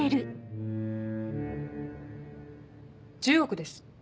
１０億です。